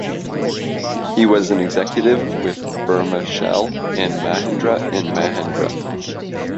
He was an executive with Burmah Shell and Mahindra and Mahindra.